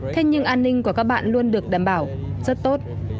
thế nhưng an ninh của các bạn luôn được đảm bảo rất tốt